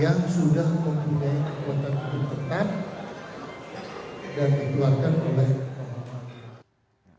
yang sudah memiliki kekuatan untuk diperkan dan dikeluarkan oleh umat islam